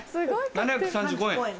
７３５円。